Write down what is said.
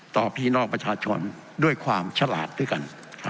ต่อพี่น้องประชาชนด้วยความฉลาดด้วยกัน